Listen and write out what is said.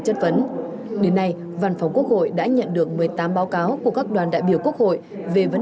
chất vấn đến nay văn phòng quốc hội đã nhận được một mươi tám báo cáo của các đoàn đại biểu quốc hội về vấn